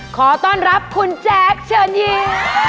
ขอต้อนรับคุณแจ๊คเชิญยิ้ม